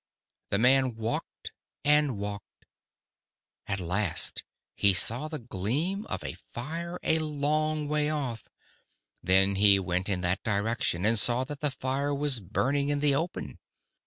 "The man walked and walked. At last he saw the gleam of a fire a long way off. Then he went in that direction, and saw that the fire was burning in the open.